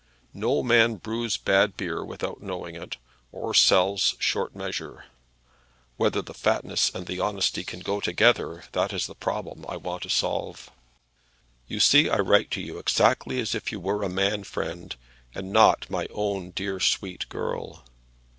No man brews bad beer without knowing it, or sells short measure. Whether the fatness and the honesty can go together; that is the problem I want to solve. You see I write to you exactly as if you were a man friend, and not my own dear sweet girl.